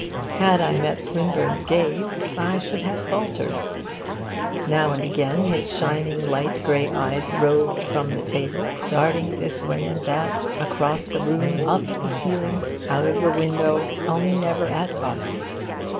Had I met Swinburne's gaze, I should have faltered. Now and again his shining light grey eyes roved from the table, darting this way and that across the room, up at the ceiling, out of the window; only never at us.